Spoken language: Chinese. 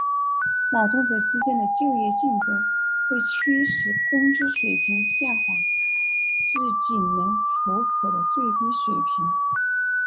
劳动者之间的就业竞争会驱使工资水平下滑至仅能糊口的最低水平。